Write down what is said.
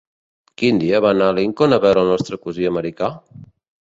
Quin dia va anar Lincoln a veure El nostre cosí americà?